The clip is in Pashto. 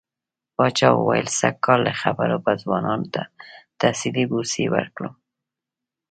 پاچا وويل سږ کال له خيره به ځوانانو ته تحصيلي بورسيې ورکړم.